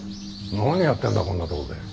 何やってんだこんなとこで。